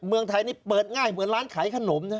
เมืองไทยนี่เปิดง่ายเหมือนร้านขายขนมนะ